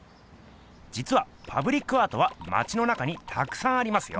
じつはパブリックアートはまちの中にたくさんありますよ。